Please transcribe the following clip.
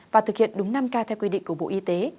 và thực hiện đúng năm k theo quy định của bộ y tế